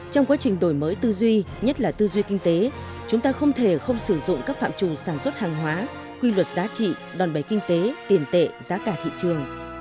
trong quá trình đổi mới tư duy nhất là tư duy kinh tế chúng ta không thể không sử dụng các phạm chủ sản xuất hàng hóa quy luật giá trị đòn bề kinh tế tiền tệ giá cả thị trường